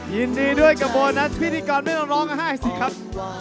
ยินดีด้วยกับโบนัสพิธีกรไม่ต้องร้องไห้สิครับ